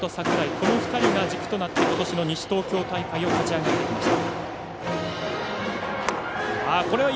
この２人が軸となってことしの西東京大会を勝ち上がってきました。